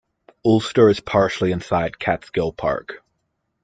Ulster is partially inside Catskill Park.